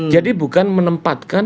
jadi bukan menempatkan